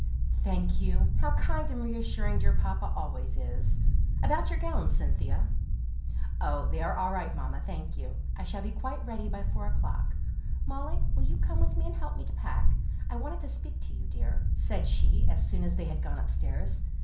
"Thank you. How kind and reassuring dear papa always is! About your gowns, Cynthia?" "Oh, they're all right, mamma, thank you. I shall be quite ready by four o'clock. Molly, will you come with me and help me to pack? I wanted to speak to you, dear," said she, as soon as they had gone upstairs.